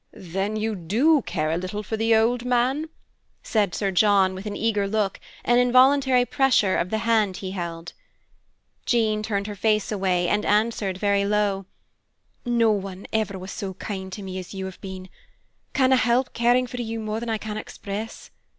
"Then you do care a little for the old man?" said Sir John with an eager look, an involuntary pressure of the hand he held. Jean turned her face away, and answered, very low, "No one ever was so kind to me as you have been. Can I help caring for you more than I can express?"